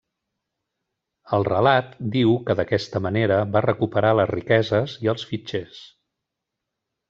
El relat diu que d'aquesta manera va recuperar les riqueses i els fitxers.